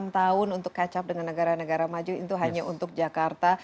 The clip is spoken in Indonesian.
satu ratus dua puluh delapan tahun untuk catch up dengan negara negara maju itu hanya untuk jakarta